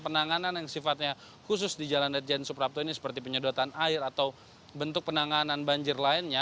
penanganan yang sifatnya khusus di jalan ledjen suprapto ini seperti penyedotan air atau bentuk penanganan banjir lainnya